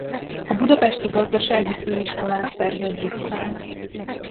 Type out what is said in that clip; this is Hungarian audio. A Budapesti Gazdasági Főiskolán szerzett diplomát.